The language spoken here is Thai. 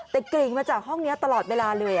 แต่กริ่งมาจากห้องนี้ตลอดเวลาเลย